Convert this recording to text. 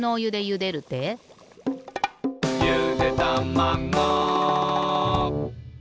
「ゆでたまご」